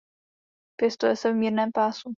Pěstuje se v mírném pásu.